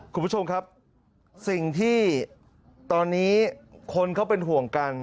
คุณผู้ชมครับสิ่งที่ตอนนี้คนเขาเป็นห่วงกัน